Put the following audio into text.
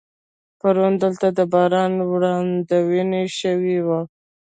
پرون دلته د باران وړاندوینه شوې وه.